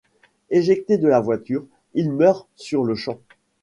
Éjecté de la voiture, il meurt sur le champ.